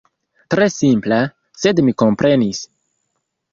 Tre simpla, sed mi komprenis.